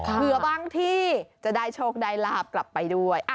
เผื่อบางที่จะได้โชคได้ลาบกลับไปด้วย